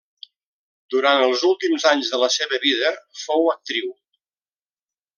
Durant els últims anys de la seva vida fou actriu.